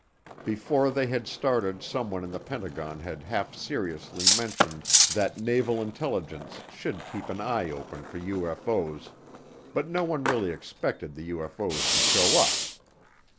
Before they had started someone in the Pentagon had half seriously mentioned that Naval Intelligence should keep an eye open for UFO's, but no one really expected the UFO's to show up.